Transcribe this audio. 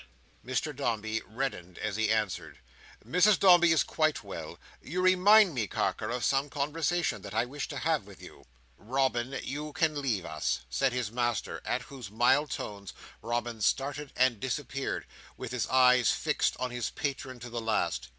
Mr Dombey reddened as he answered: "Mrs Dombey is quite well. You remind me, Carker, of some conversation that I wish to have with you." "Robin, you can leave us," said his master, at whose mild tones Robin started and disappeared, with his eyes fixed on his patron to the last.